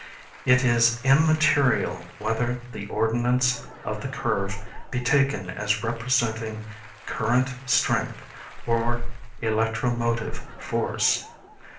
It is immaterial whether the ordinates of the curve be taken as representing current strength or electromotive force.